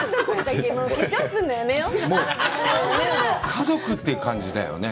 家族って感じだよね。